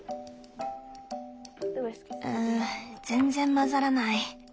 う全然混ざらない。